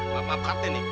maaf maaf kak teni